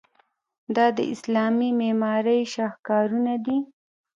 دا د اسلامي معمارۍ شاهکارونه دي.